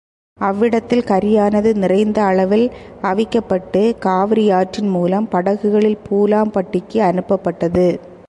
அவ்விடத்தில் கரியானது நிறைந்த அளவில் அவிக்கப்பட்டுக் காவிரியாற்றின் மூலம் படகுகளில் பூலாம் பட்டிக்கு அனுப்பப்பட்டது.